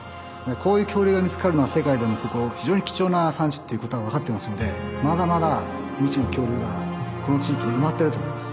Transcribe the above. こういう恐竜が見つかるのは世界でもここ非常に貴重な産地ということが分かっていますのでまだまだ未知の恐竜がこの地域に埋まっていると思います。